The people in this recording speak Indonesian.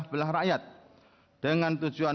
periode tahun dua ribu empat belas dua ribu tujuh belas